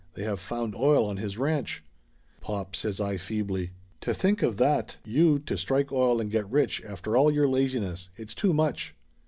They have found oil on his ranch !" "Pop!" says I feebly. "To think of that you to strike oil and get rich after all your laziness ! It's too much!"